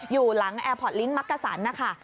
อยู่หลังแอร์พอร์ตลิงค์มักกะสันนะคะ